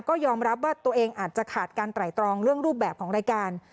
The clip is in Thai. ก็ยอมรับว่าตัวเองอาจจะขาดการไตรตรองเรื่องรูปแบบของรายการ